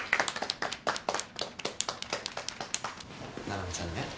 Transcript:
七海ちゃんね。